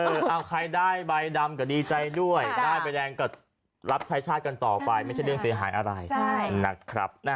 เอาใครได้ใบดำก็ดีใจด้วยได้ใบแดงก็รับใช้ชาติกันต่อไปไม่ใช่เรื่องเสียหายอะไรนะครับ